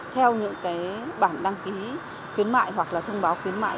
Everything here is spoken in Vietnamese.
theo những cái bản đăng ký khuyến mại hoặc là thông báo khuyến mại